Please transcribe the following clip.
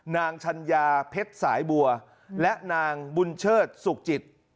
นางชัญญาเพชรสายบัวและนางบุญเชิดสุขจิต